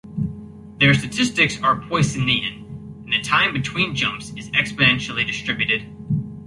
Their statistics are Poissonian, and the time between jumps is exponentially distributed.